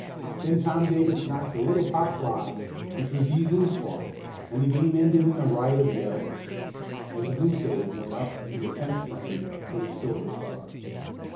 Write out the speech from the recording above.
Then Tom Davis knocked a little pop fly which was easily caught, and the game ended in a riot of yells, as a goose egg went up in the tenth frame for the Silver Stars.